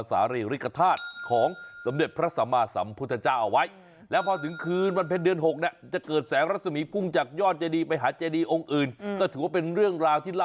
สปราบชื่อเขาเลยไง